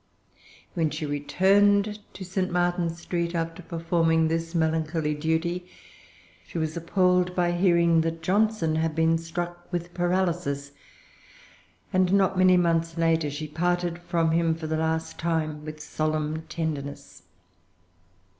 When she returned to St. Martin's Street, after performing this melancholy duty, she was appalled by hearing that Johnson had been struck with paralysis; and, not many months later, she parted from him for the last time with solemn tenderness.